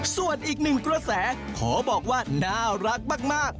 ส่วนอีกหนึ่งกระแสขอบอกว่าน่ารักมาก